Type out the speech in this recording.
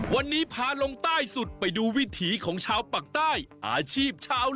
วันนี้พาลงใต้สุดไปดูวิถีของชาวปากใต้อาชีพชาว